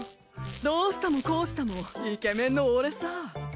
どうしたもこうしたもイケメンの俺さぁ。